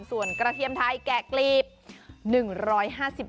ส่วนกระเทียมไทยแกะกลีบ